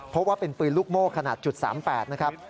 เพราะว่าเป็นปืนลูกโม่ขนาด๓๘นะครับ